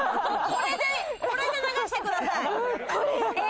これで流してください。